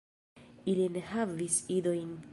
Ili ne havis idojn.